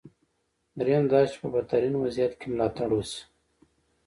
درېیم دا چې په بدترین وضعیت کې ملاتړ وشي.